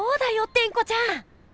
テンコちゃん。